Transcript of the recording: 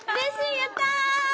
やった！